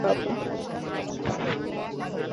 এইতো আমি, বাবু।